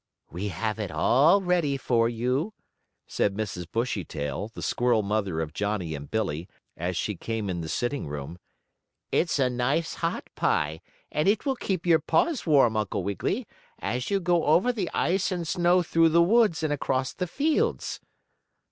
"We have it all ready for you," said Mrs. Bushytail, the squirrel mother of Johnnie and Billie, as she came in the sitting room. "It's a nice hot pie, and it will keep your paws warm, Uncle Wiggily, as you go over the ice and snow through the woods and across the fields."